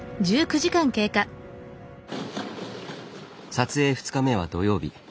撮影２日目は土曜日。